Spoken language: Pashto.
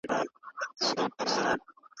پښتو په پوره درناوي سره زده کړه.